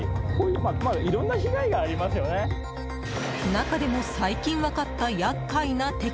中でも、最近分かった厄介な敵。